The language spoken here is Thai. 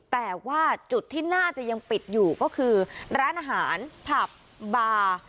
แต่ว่าจุดที่น่าจะยังปิดอยู่ก็คือร้านอาหารผับบาร์